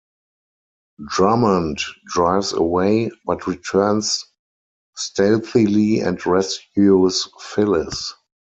Drummond drives away, but returns stealthily and rescues Phyllis.